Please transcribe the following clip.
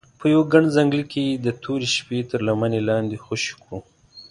په یوه ګڼ ځنګله کې یې د تورې شپې تر لمنې لاندې خوشې کړو.